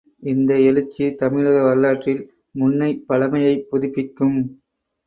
இந்த எழுச்சி தமிழக வரலாற்றில் முன்னைப் பழமையைப் புதுப்பிக்கும்.